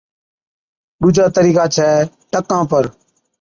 ڏوجا طريقا ڇَي ٽڪان پر